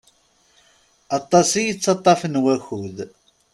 Aṭas i yettaṭaf n wakud.